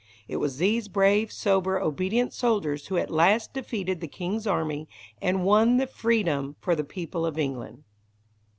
It was these brave, sober, obedient soldiers who at last defeated the king's army, and won freedom for the people of England.